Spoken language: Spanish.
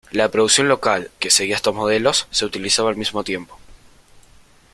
La producción local, que seguía estos modelos, se utilizaba al mismo tiempo.